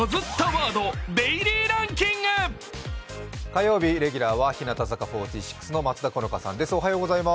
火曜日レギュラーは日向坂４６の松田好花さんです。